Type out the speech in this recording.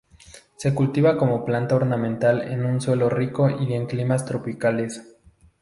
Se cultiva como planta ornamental en un suelo rico y en climas tropicales.